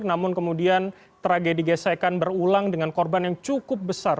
namun kemudian tragedi gesekan berulang dengan korban yang cukup besar